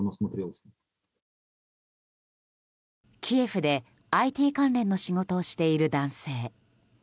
キエフでＩＴ関連の仕事をしている男性。